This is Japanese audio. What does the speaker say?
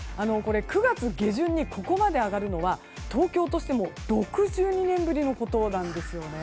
９月下旬にここまで上がるのは東京としても６２年ぶりのことなんですよね。